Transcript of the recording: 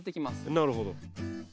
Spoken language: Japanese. なるほど。